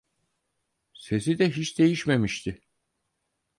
Sesi de hiç değişmemişti.